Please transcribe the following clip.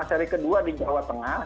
seri kedua di jawa tengah